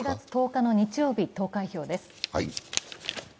７月１０日の日曜日、投開票です。